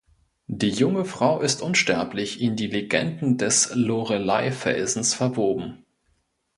Die junge Frau ist unsterblich in die Legenden des Lorelei-Felsens verwoben.